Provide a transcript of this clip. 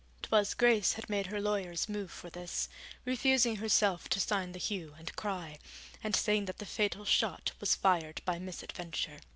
'Twas Grace had made her lawyers move for this, refusing herself to sign the hue and cry, and saying that the fatal shot was fired by misadventure.